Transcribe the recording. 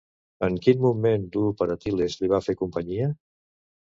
En quin moment dur per Aquil·les li va fer companyia?